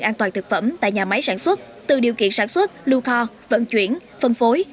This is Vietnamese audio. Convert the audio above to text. ban quản lý an toàn thực phẩm tại nhà máy sản xuất từ điều kiện sản xuất lưu kho vận chuyển phân phối